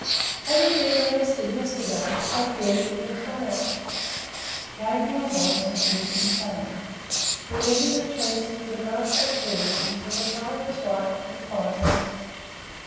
Had he been arrested yesterday, I feel that it would have failed. Gabriel was and is insane. We led him a chase through the Graustark hills until the time was ripe for the final act.